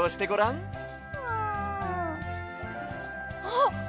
あっ！